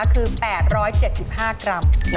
คือ๘๗๕กรัม